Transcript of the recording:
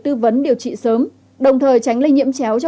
tư vấn điều trị sớm đồng thời tránh